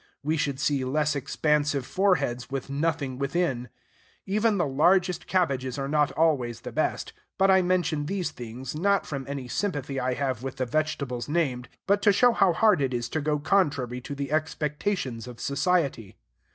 We should see less expansive foreheads with nothing within. Even the largest cabbages are not always the best. But I mention these things, not from any sympathy I have with the vegetables named, but to show how hard it is to go contrary to the expectations of society.